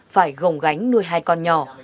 phải gồng gánh nuôi hai con nhỏ